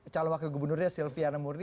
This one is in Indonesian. calon wakil gubernurnya silviana murni